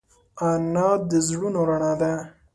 انا د زړونو رڼا ده